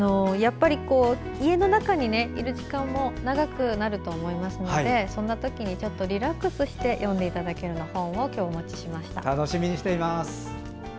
家の中にいる時間も長くなると思いますのでそんな時にリラックスして読んでいただけるような本を楽しみにしています。